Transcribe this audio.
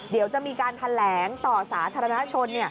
เดี๋ยวจะมีการแถลงต่อสาธารณชน